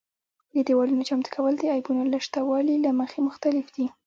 د دېوالونو چمتو کول د عیبونو له شتوالي له مخې مختلف دي.